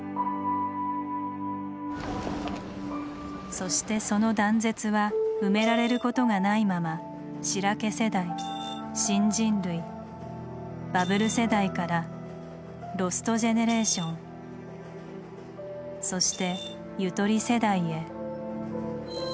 そしてその断絶は埋められることがないまま「しらけ世代」「新人類」「バブル世代」から「ロストジェネレーション」そして「ゆとり世代」へ。